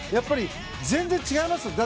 全然違いますよね。